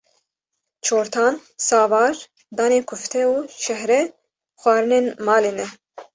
çortan, savar, danê kufte û şehre xwarinên malê ne